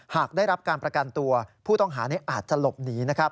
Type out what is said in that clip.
หากได้รับการประกันตัวผู้ต้องหาอาจจะหลบหนี